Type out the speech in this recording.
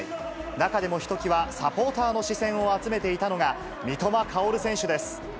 中でもひときわサポーターの視線を集めていたのが、三笘薫選手です。